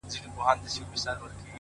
هره ورځ د اصلاح امکان شته,